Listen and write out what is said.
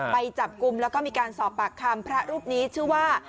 ไปจับกลุ่มแล้วก็มีการสอบปากคำพระรูปนี้ชื่อว่า